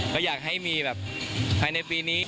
ก็อยากให้มีแบบภายในปีนี้